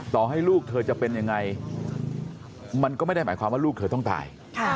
ต่อให้ลูกเธอจะเป็นยังไงมันก็ไม่ได้หมายความว่าลูกเธอต้องตาย